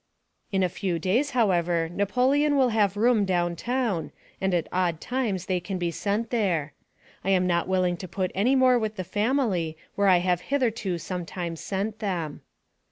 In a few days, however, Napoleon will have a room down town, and at odd times they can be sent there. I am not willing to put any more with the family where I have hitherto sometimes sent them.